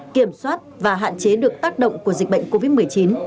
kiểm soát và hạn chế được tác động của dịch bệnh covid một mươi chín